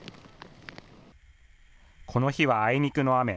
この日は、あいにくの雨。